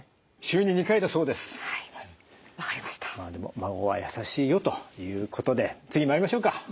「まごわやさしいよ」ということで次まいりましょうか。